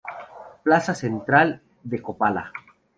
Plaza central de Copala.